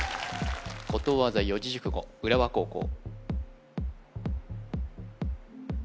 ことわざ・四字熟語浦和高校